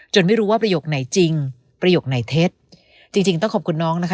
ไม่รู้ว่าประโยคไหนจริงประโยคไหนเท็จจริงจริงต้องขอบคุณน้องนะคะ